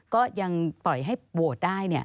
ก็ยังปล่อยให้โหวตได้